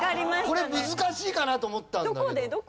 これ難しいかなと思ったんだけど。